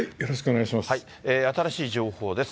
新しい情報です。